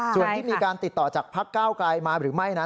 ส่วนที่มีการติดต่อจากภักดิ์ก้าวกลายมาหรือไม่